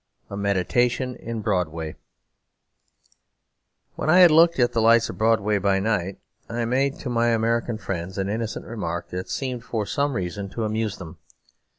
A Meditation in Broadway When I had looked at the lights of Broadway by night, I made to my American friends an innocent remark that seemed for some reason to amuse them.